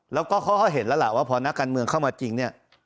แล้วก็เขาก็เห็นแล้วล่ะว่าพอนักการเมืองเข้ามาจริงเนี่ย